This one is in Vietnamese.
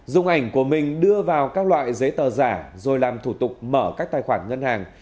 dùng ảnh của mình đưa vào các loại giấy tờ giả rồi làm thủ tục mở các tài khoản ngân hàng